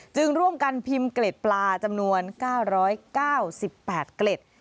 จึงร่วมกันพิมพ์เกล็ดปลาจำนวน๙๙๘เกล็ด